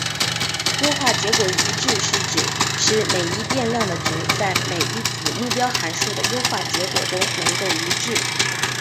优化结果一致是指使每一变量的值在每一子目标函数的优化结果中能够一致。